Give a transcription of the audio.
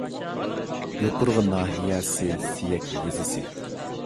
يوپۇرغا ناھىيەسى سىيەك يېزىسى